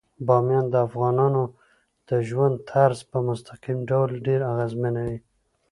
بامیان د افغانانو د ژوند طرز په مستقیم ډول ډیر اغېزمنوي.